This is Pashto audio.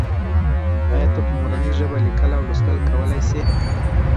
آیا ته په مورنۍ ژبه لیکل او لوستل کولای سې؟